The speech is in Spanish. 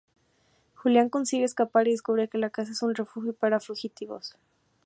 Julián consigue escapar y descubre que la casa es un refugio para fugitivos.